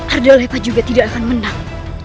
arda lepa juga tidak akan menang